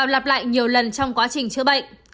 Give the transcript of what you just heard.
lặp lại nhiều lần trong quá trình chữa bệnh